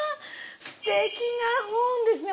すてきな本ですね。